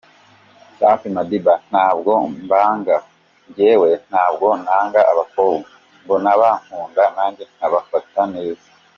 Safi Madiba: Ntabwo mbanga, njyewe ntabwo nanga abakobwa, mbona bankunda, nanjye nkabafata neza.